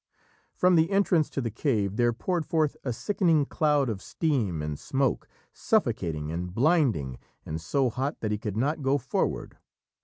From the entrance to the cave there poured forth a sickening cloud of steam and smoke, suffocating and blinding, and so hot that he could not go forward.